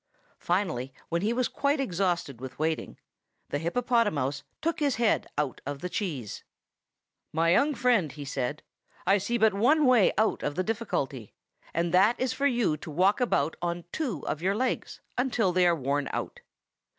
Finally, when he was quite exhausted with waiting, the hippopotamouse took his head out of the cheese. "My young friend," he said, "I see but one way." "My young friend," he said, "I see but one way out of the difficulty, and that is for you to walk about on two of your legs until they are worn out.